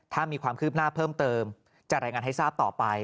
ถ้ามีความคืบหน้าเพิ่มเติมจะรายงานให้ทราบต่อไป